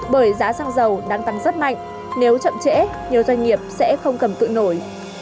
bởi giá xăng dầu đang tăng rất mạnh nếu chậm trễ nhiều doanh nghiệp sẽ không cầm tự nổi